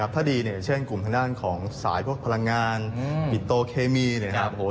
ถ้าร่างกลุ่มทางด้านของสายพลังงานปิโตเวียนโครีเมีย